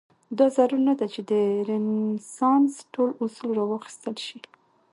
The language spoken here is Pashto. دا ضرور نه ده چې د رنسانس ټول اصول راواخیستل شي.